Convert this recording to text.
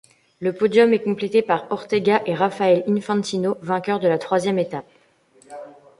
Le podium est complété par Ortega et Rafael Infantino, vainqueur de la troisième étape.